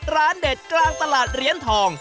เด็ดกลางตลาดเหรียญทอง